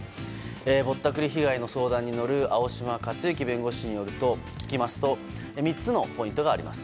ぼったくり被害の相談に乗る青島克行弁護士に聞きますと３つのポイントがあります。